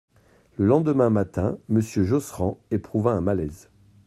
Le lendemain matin, Monsieur Josserand éprouva un malaise.